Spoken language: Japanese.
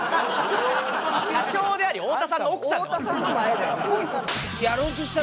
社長であり太田さんの奥さん。